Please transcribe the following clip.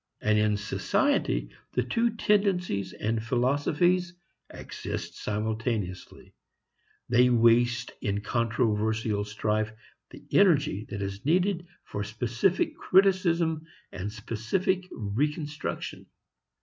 And in society the two tendencies and philosophies exist simultaneously; they waste in controversial strife the energy that is needed for specific criticism and specific reconstruction.